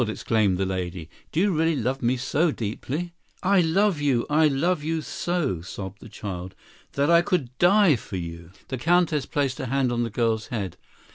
exclaimed the lady, "do you really love me so deeply?" "I love you, I love you so," sobbed the child, "that I could die for you." The Countess placed her hand on the girl's head.